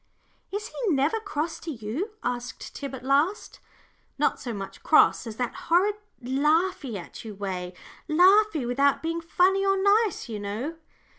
"Is he never cross to you?" asked Tib; "at least, not so much cross as that horrid laughy at you way laughy without being funny or nice, you know."